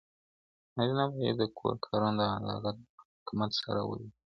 نارینه باید د کور کارونه د عدالت او حکمت سره وویشي.